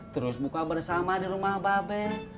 terus buka bersama di rumah mbak be